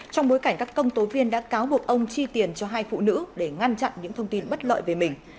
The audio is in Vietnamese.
trong bối cảnh các công tố viên đã cáo buộc ông chi tiền cho hai phụ nữ để ngăn chặn những thông tin bất lợi về mình